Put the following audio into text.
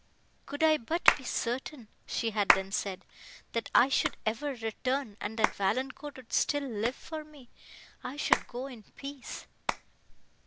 "Could I but be certain," she had then said, "that I should ever return, and that Valancourt would still live for me—I should go in peace!"